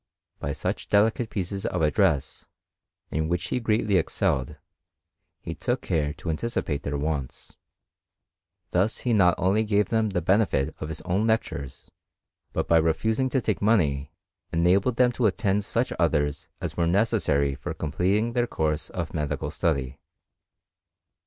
By such delicate pieces of address, in which he greatly excelled, he took care to anticipate their wants. Thus he not only gave them the benefit of his own lectures, but by refusing to take money enabled them to attend such others as were necessary for completing their course of medical study.